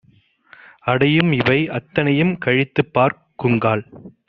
அடையும்இவை அத்தனையும் கழித்துப்பார்க் குங்கால்